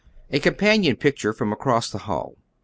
A companion picture from across the hall.